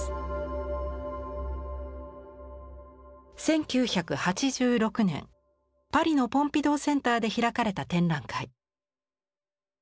１９８６年パリのポンピドゥー・センターで開かれた展覧会。